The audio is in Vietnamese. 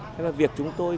thế mà việc chúng tôi